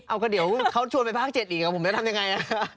เอาก็เดี๋ยวเขาชวนไปภาค๗อีกผมจะทำยังไงนะ